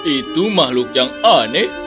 itu makhluk yang aneh